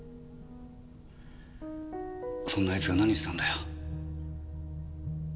そんなあいつが何したんだよ？